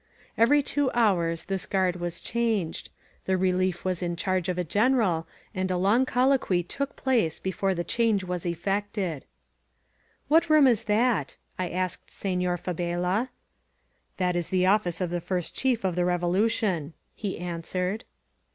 Every two hours this guard was changed; the relief 878 CARRANZA— AN IMPRESSION was in charge of a general, and a long colloquy took place before the change was effected. "What room is that? I asked Senor Fabela. "That is the office of the First Chief of the Revolu tion," he answered.